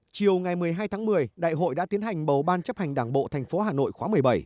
chiều ngày một mươi hai tháng một mươi đại hội đã tiến hành bầu ban chấp hành đảng bộ tp hà nội khóa một mươi bảy